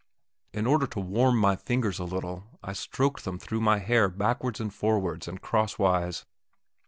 In order to warm my fingers a little I stroked them through my hair backwards and forwards and crosswise.